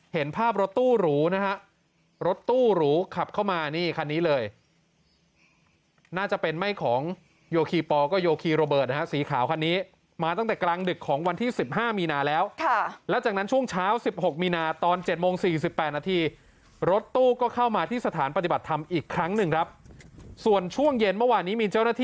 เห็นภาพรถตู้หรูนะฮะรถตู้หรูขับเข้ามานี่คันนี้เลยน่าจะเป็นไม่ของโยคีพอร์ก็โยคีโรเบิร์ตนะฮะสีขาวคันนี้มาตั้งแต่กลางดึกของวันที่สิบห้ามีนาแล้วค่ะแล้วจากนั้นช่วงเช้าสิบหกมีนาตอนเจ็ดโมงสี่สิบแปดนาทีรถตู้ก็เข้ามาที่สถานปฏิบัติธรรมอีกครั้งหนึ่งครับส่วนช่วงเย็นเม